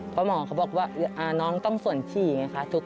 เพราะหมอเขาบอกว่าน้องต้องส่วนฉี่ไงคะ